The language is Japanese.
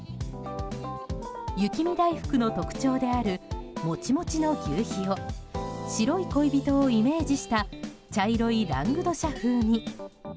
雪見だいふくの特徴であるもちもちの求肥を白い恋人をイメージした茶色いラングドシャ風に。